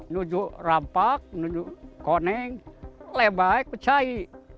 nuju rampak nuju koneng lebay kecai